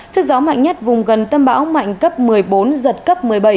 sức gió mạnh nhất vùng gần tâm bão mạnh cấp một mươi bốn giật cấp một mươi bảy